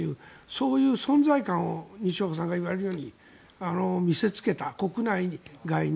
そういう存在感を西岡さんが言われるように見せつけた国内外に。